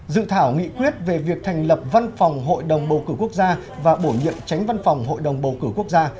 dự thảo nghị quyết về việc thành lập văn phòng hội đồng bầu cử quốc gia và bổ nhiệm tránh văn phòng hội đồng bầu cử quốc gia